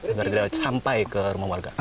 agar tidak sampai ke rumah warga